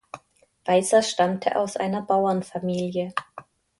Weisser stammte aus einer Bauernfamilie.